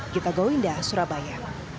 kita go indah surabaya